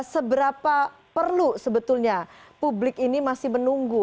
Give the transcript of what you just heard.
seberapa perlu sebetulnya publik ini masih menunggu